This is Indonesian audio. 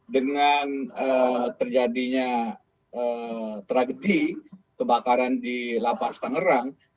dengan terjadinya tragedi kebakaran di lapas tangerang